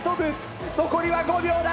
残りは５秒だ！